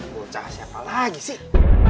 buca siapa lagi sih